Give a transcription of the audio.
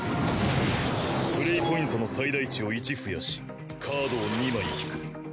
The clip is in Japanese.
プレイポイントの最大値を１増やしカードを２枚引く。